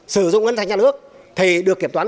sử dụng ngân hàng nhà nước thì được kiểm toán